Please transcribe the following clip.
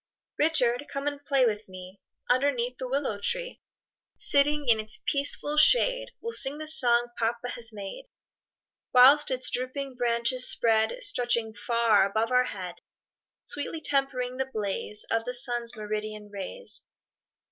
Richard, come and play with me, Underneath the willow tree; Sitting in its peaceful shade, We'll sing the song papa has made, Whilst its drooping branches spread, Stretching far above our head, Sweetly tempering the blaze Of the sun's meridian rays.